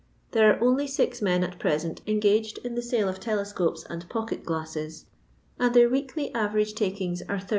There are only six men at present engaged in the sale of telescopes and pocket^glasses^ and their weekly average takings are 80t.